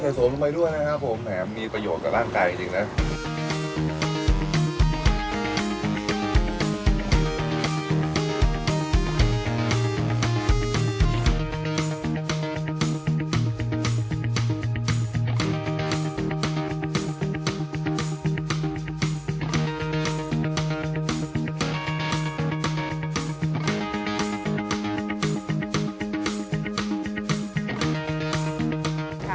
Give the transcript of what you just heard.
นี่ใส่โสมลงไปด้วยหรอค่ะใส่โสมลงไปด้วยนะครับผมแถมมีประโยชน์กับร่างกายจริงจริงนะ